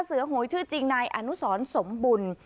หวยชื่อจริงนายอนุสรสมบุญ